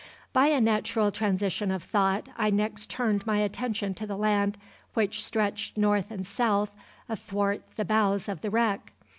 By a natural transition of thought I next turned my attention to the land which stretched north and south athwart the bows of the wreck.